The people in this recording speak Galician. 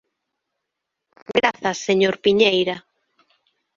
Grazas, señor Piñeira.